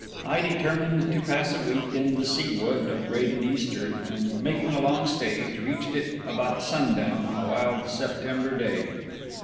I determined to pass a week in the Sea Wood of Graden Easter, and making a long stage, reached it about sundown on a wild September day.